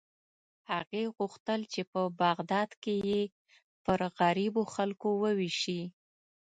هغې غوښتل چې په بغداد کې یې پر غریبو خلکو ووېشي.